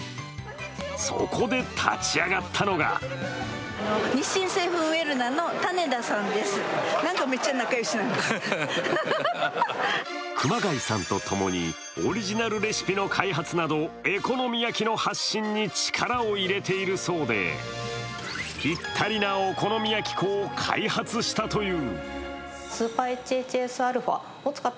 そこで立ち上がったのが熊谷さんとともにオリジナルレシピの開発などエコのみ焼きの発信に力を入れているそうでぴったりなお好み焼き粉を開発したという。